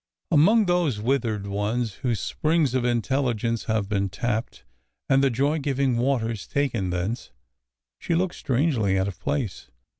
Among those with ered ones whose springs of intelligence have been tapped and the joy giving waters taken thence, she looks strangely out of place.